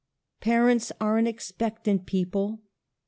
Parents are an ex pectant people.